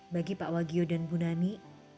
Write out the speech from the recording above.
bagi pak wagyo dan punani